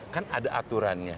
kan ada aturannya